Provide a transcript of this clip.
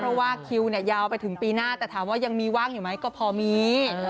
เพราะว่าคิวเนี่ยยาวไปถึงปีหน้าแต่ถามว่ายังมีว่างอยู่ไหมก็พอมี